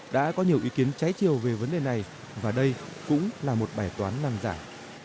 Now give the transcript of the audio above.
đã có nhiều ý kiến trái chiều về vấn đề này và đây cũng là một bài toán năn giải